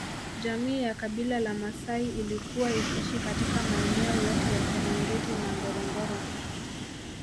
Jamii ya Kabila la Maasai ilikuwa ikiishi katika maeneo yote ya Serengeti na Ngorongoro